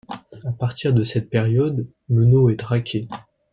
À partir de cette période, Menno est traqué.